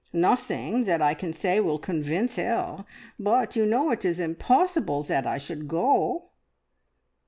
Nothing that I can say will convince her, but you know it is impossible that I should go!"